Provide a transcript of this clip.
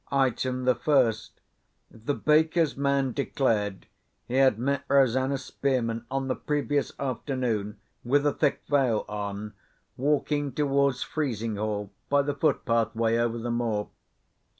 Item the first: the baker's man declared he had met Rosanna Spearman, on the previous afternoon, with a thick veil on, walking towards Frizinghall by the foot path way over the moor.